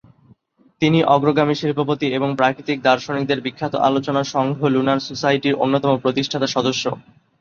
তিনি অগ্রগামী শিল্পপতি এবং প্রাকৃতিক দার্শনিকদের বিখ্যাত আলোচনা সংঘ লুনার সোসাইটির অন্যতম প্রতিষ্ঠাতা সদস্য।